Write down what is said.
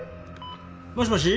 もしもし。